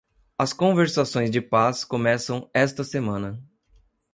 As conversações de paz começam esta semana.